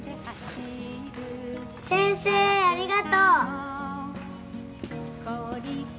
先生ありがとう。